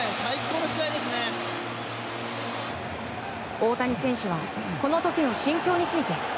大谷選手はこの時の心境について。